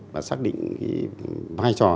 và xác định cái vai trò